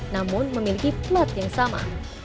namun memiliki plat yang sama